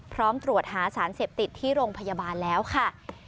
พร้อมตรวจหาสารเสพติดที่โรงพยาบาลแล้วค่ะ